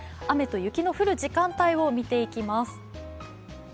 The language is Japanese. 雨と雪の降る時間帯を見ていきます。